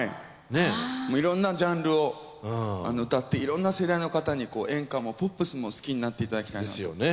いろんなジャンルを歌っていろんな世代の方に演歌もポップスも好きになっていただきたいなと。